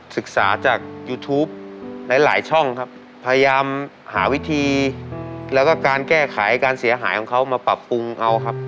ศึกษาจากยูทูปหลายหลายช่องครับพยายามหาวิธีแล้วก็การแก้ไขการเสียหายของเขามาปรับปรุงเอาครับ